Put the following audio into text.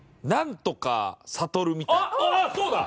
あっそうだ！